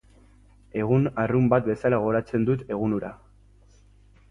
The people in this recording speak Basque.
Egun arrunt bat bezala gogoratzen dut egun hura.